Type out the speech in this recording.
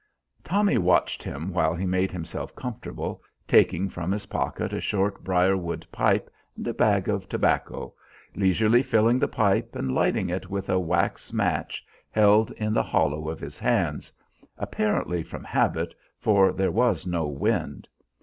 Tommy watched him while he made himself comfortable, taking from his pocket a short briar wood pipe and a bag of tobacco, leisurely filling the pipe and lighting it with a wax match held in the hollow of his hands apparently from habit, for there was no wind.